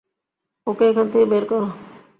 ওকে এখান থেকে বের কর।